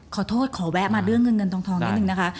ขอโทษขอแวะมาเรื่องเงินเงินทองนิดนึงนะคะ